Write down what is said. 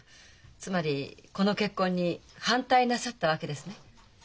つまりこの結婚に反対なさったわけですね。